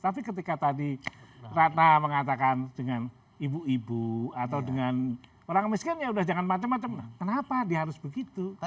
tapi ketika tadi ratna mengatakan dengan ibu ibu atau dengan orang miskin ya udah jangan macam macam kenapa dia harus begitu